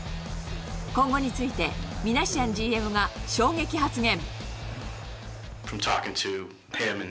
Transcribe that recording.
今後について、ミナシアンＧＭが衝撃発言。